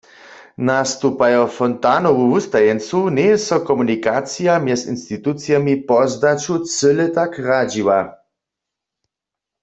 Nastupajo Fontanowu wustajeńcu njeje so komunikacija mjez institucijemi po zdaću cyle tak radźiła.